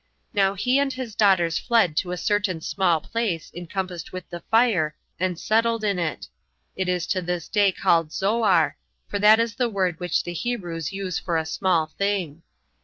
Now he and his daughters fled to a certain small place, encompassed with the fire, and settled in it: it is to this day called Zoar, for that is the word which the Hebrews use for a small thing.